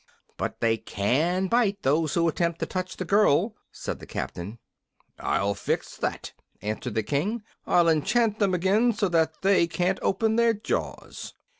"But they can bite those who attempt to touch the girl," said the captain. "I'll fix that," answered the King. "I'll enchant them again, so that they can't open their jaws."